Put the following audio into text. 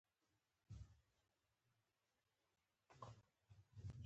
چي لېوه دی که ګیدړ خدای په خبر دی